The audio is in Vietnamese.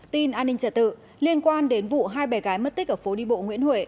tin an ninh trả tự liên quan đến vụ hai bé gái mất tích ở phố đi bộ nguyễn huệ